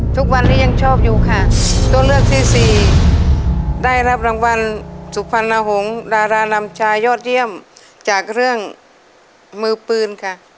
ทุกวันนี้ยังชอบอยู่ค่ะตัวเลือกที่สี่ได้รับรางวัลสุพรรณหงษ์ดารานำชายยอดเยี่ยมจากเรื่องมือปืนค่ะ